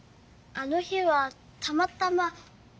あの日はたまたま。